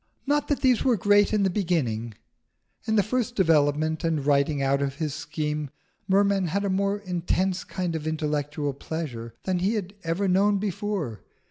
Not that these were great in the beginning. In the first development and writing out of his scheme, Merman had a more intense kind of intellectual pleasure than he had ever known before.